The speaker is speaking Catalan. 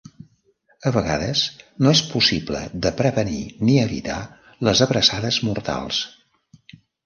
A vegades no és possible de prevenir ni evitar les abraçades mortals.